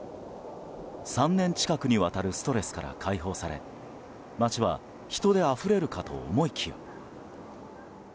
３年近くにわたるストレスから解放され街は人であふれるかと思いきや。